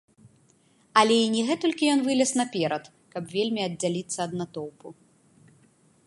Але і не на гэтулькі ён вылез наперад, каб вельмі аддзяліцца ад натоўпу.